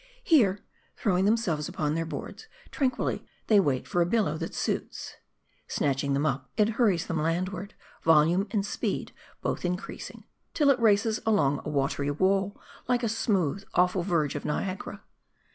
Here, throwing themselves upon their boards, tranquilly they wait for a billow that suits. Snatch ing them up, it hurries them landward, volume ,nd speed both increasing, till it races along a watery wall, like the smooth, awful verge of Niagara.